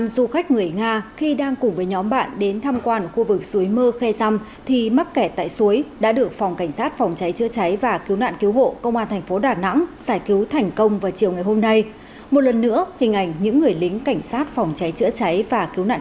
sau gần ba mươi phút tiếp cận lực lượng cứu nạn của công an thành phố đà nẵng đã đưa nam du khách quốc tịch nga ra ngoài an toàn